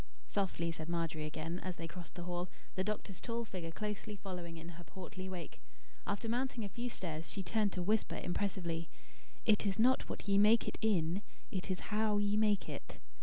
"Softly," said Margery again, as they crossed the hall, the doctor's tall figure closely following in her portly wake. After mounting a few stairs she turned to whisper impressively: "It is not what ye make it IN; it is HOW ye make it."